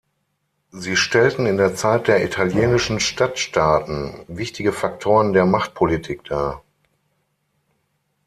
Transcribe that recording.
Sie stellten in der Zeit der italienischen Stadtstaaten wichtige Faktoren der Machtpolitik dar.